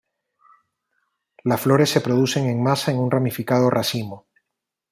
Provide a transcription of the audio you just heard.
Las flores se producen en masa en una ramificado racimo.